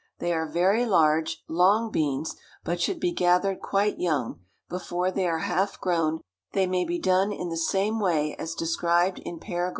They are very large, long beans, but should be gathered quite young, before they are half grown; they may be done in the same way as described in par.